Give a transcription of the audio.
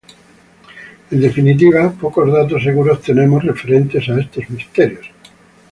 En definitiva, pocos datos seguros tenemos referentes a estos misterios.